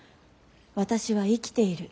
私は生きている。